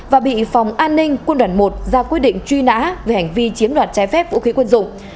và bị phòng an ninh quân đoàn một ra quyết định truy nã về hành vi chiếm đoạt trái phép vũ khí quân dụng